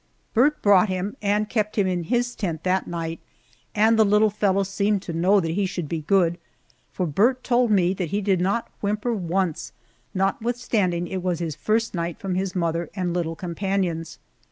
Burt brought him and kept him in his tent that night, and the little fellow seemed to know that he should be good, for Burt told me that he did not whimper once, notwithstanding it was his first night from his mother and little companions.